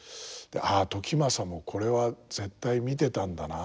「ああ時政もこれは絶対見てたんだな」